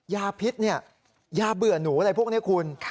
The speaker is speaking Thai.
ยาพิษเนี่ยยาเบื่อหนูอะไรพวกนี้คุณ